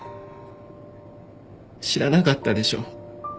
知らなかったでしょ。